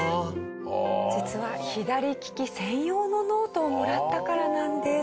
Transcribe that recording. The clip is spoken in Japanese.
実は左利き専用のノートをもらったからなんです。